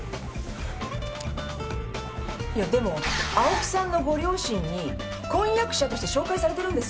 いやでも青木さんのご両親に婚約者として紹介されてるんですよ。